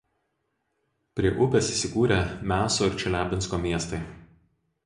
Prie upės įsikūrę Miaso ir Čeliabinsko miestai.